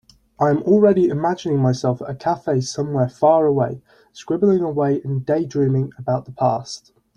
I am already imagining myself at a cafe somewhere far away, scribbling away and daydreaming about the past.